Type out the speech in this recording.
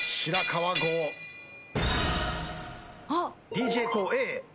ＤＪＫＯＯＡ。